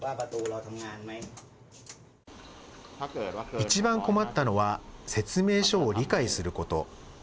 一番困ったのは、説明書を理解すること。